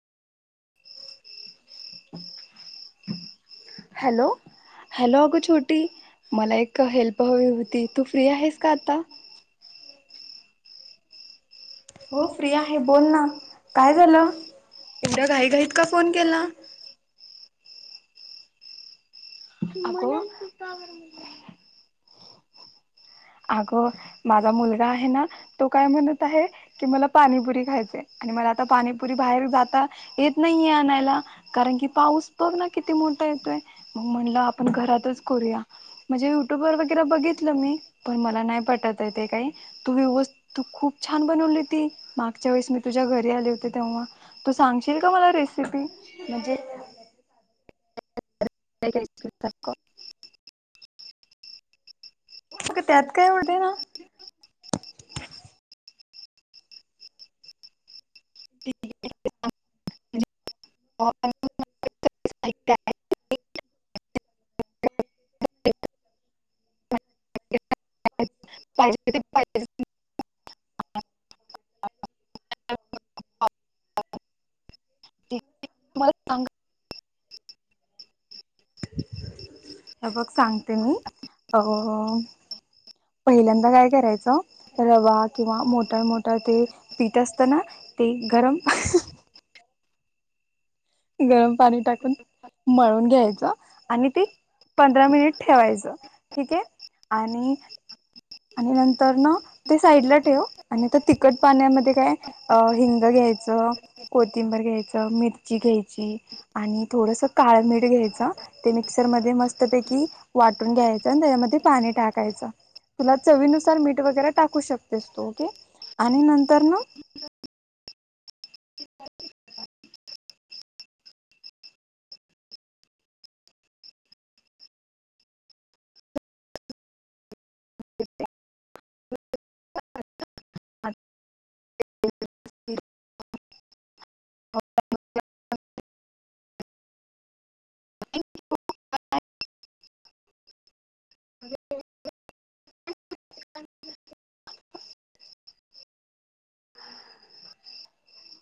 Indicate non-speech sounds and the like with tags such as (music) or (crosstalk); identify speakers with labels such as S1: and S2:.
S1: (inaudible)
S2: Hello hello अग छोटी. मला एक हेल्प हवी होती. तू फ्री आहेस का आता. (inaudible)
S1: हो फ्री आहे बोल ना. काय झालं? एवढ्या घाईत घाईत का फोन केला.
S2: अगं अगं माझा मुलगा आहे ना, तो काय म्हणत आहे. की मला पाणीपुरी खायचय. मला आता पाणीपुरी बाहेर जात येत नाहीये आणायला. कारण की पाऊस बघ ना किती मोठा येतोय. म्हणल आपण घरातच करूया. म्हणजे युट्यूब वर वगैरे बघितलं मी. पण मला नाही पटत आहे ते काही. त व्यव खूप छान बनवली ती मागच्या वेळेस मी तुझ्या घरी आले होते तेव्हा. सांगशील का मला रेसिपी. म्हणजे (unintelligible)
S1: अग त्यात काय एवढे ना
S2: (unintelligible) (unintelligible)
S1: (inaudible)
S2: (unintelligible) (unintelligible) (unintelligible)
S1: हे बघ सांगते मी. अ पहिल्यांदा काय करायचं रवा किंवा मोठ मोठ ते पीठ असत ना ते गरम गरम पाणी टाकून मळून, घ्यायचं आणि ते पंधरा मिनिट ठेवायचं ठीक आहे आणि आणि नंतर ना, ते साईडला ठेव आणि त्या तिखट पाण्यामध्ये काय हिंग घ्याय च कोथिंबर घ्यायचं मिरची घ्यायची आणि थोडंसं काळमीेट घ्यायचा ते मी मिक्सर मध्ये मस्तपैकी वाटून घ्यायचं. आणि त्याच्यामध्ये पाणी टाकायचं. तुला चवीनुसार मीठ वगैरे टाकू, शकतेस तू ओके आणि नंतर ना,
S2: (inaudible) (inaudible) (unintelligible) (unintelligible) (unintelligible) थँक्यू बाय (unintelligible)